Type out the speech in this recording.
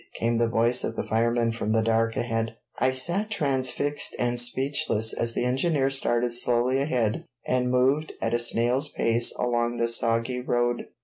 came the voice of the fireman from the dark ahead. I sat transfixed and speechless as the engineer started slowly ahead and moved at a snail's pace along the soggy road.